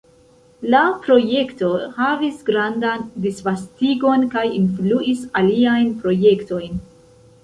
La projekto havis grandan disvastigon kaj influis aliajn projektojn.